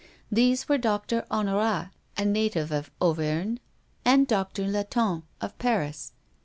These were Doctor Honorat, a native of Auvergne, and Doctor Latonne, of Paris.